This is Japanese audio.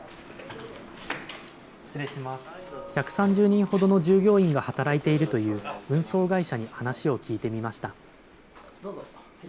１３０人ほどの従業員が働いているという運送会社に話を聞いてみました。